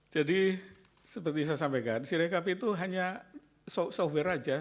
seperti saya sampaikan sirekapi itu hanya software saja